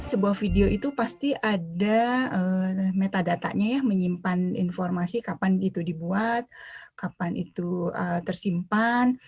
sebuah video itu pasti ada metadatanya ya menyimpan informasi kapan itu dibuat kapan itu tersimpan